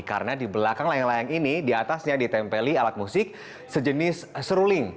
karena di belakang layang layang ini di atasnya ditempeli alat musik sejenis seruling